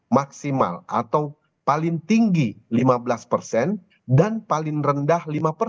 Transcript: maksimal atau paling tinggi lima belas persen dan paling rendah lima persen